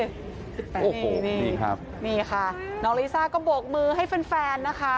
นี่ค่ะน้องลีซ่าก็บวกมือให้แฟนนะคะ